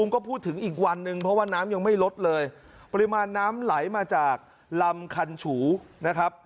ก็พูดถึงอีกวันหนึ่งเพราะว่าน้ำยังไม่ลดเลยปริมาณน้ำไหลมาจากลำคันฉูนะครับ